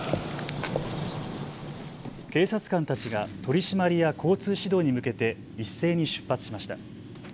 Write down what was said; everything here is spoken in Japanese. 警察官たちが取締りや交通指導に向けて一斉に出発しました。